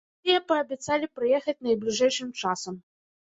Тыя паабяцалі прыехаць найбліжэйшым часам.